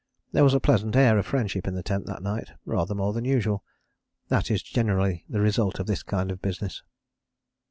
There was a pleasant air of friendship in the tent that night, rather more than usual. That is generally the result of this kind of business.